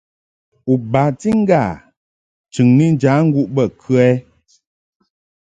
U bati ŋgâ chɨŋni njaŋguʼ bə kə ?